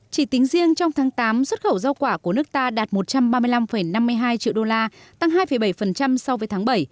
chỉ tính riêng trong tháng tám xuất khẩu rau quả của nước ta đạt một trăm ba mươi năm năm mươi hai triệu đô la tăng hai bảy so với tháng bảy